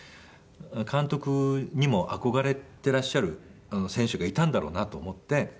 監督にも憧れていらっしゃる選手がいたんだろうなと思って。